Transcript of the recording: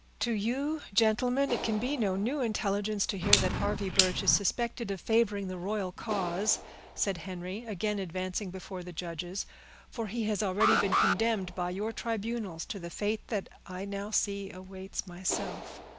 "To you, gentlemen, it can be no new intelligence to hear that Harvey Birch is suspected of favoring the royal cause," said Henry, again advancing before the judges; "for he has already been condemned by your tribunals to the fate that I now see awaits myself.